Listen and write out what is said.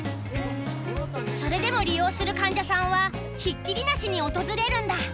それでも利用する患者さんはひっきりなしに訪れるんだ。